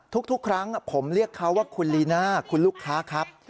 ทุกครั้งผมเรียกเขาว่าคุณลีน่าคุณลูกค้าครับ